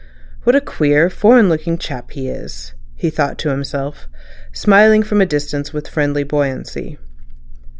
"What a queer, foreign looking chap he is," he thought to himself, smiling from a distance with friendly buoyancy.